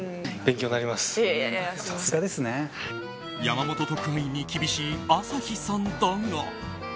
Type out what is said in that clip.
山本特派員に厳しい朝日さんだが。